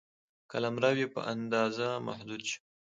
قلمرو یې په اندازه محدود شو.